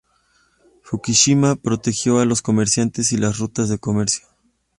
Fukushima protegió a los comerciantes y las rutas de comercio.